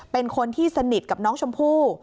เป็นคนที่สนิทกับน้องชมพู่